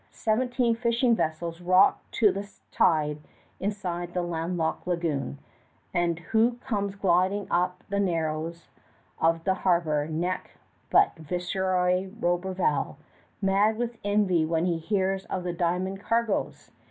Seventeen fishing vessels rock to the tide inside the landlocked lagoon, and who comes gliding up the Narrows of the harbor neck but Viceroy Roberval, mad with envy when he hears of the diamond cargoes!